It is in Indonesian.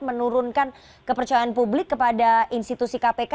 menurunkan kepercayaan publik kepada institusi kpk